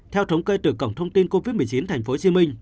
theo thống kê từ cổng thông tin covid một mươi chín tp hcm